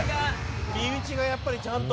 身内がやっぱりちゃんと。